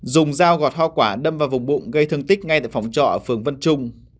dùng dao gọt hoa quả đâm vào vùng bụng gây thương tích ngay tại phòng trọ ở phường vân trung